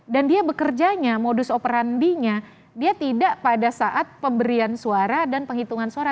dan dia bekerjanya modus operandinya dia tidak pada saat pemberian suara dan penghitungan suara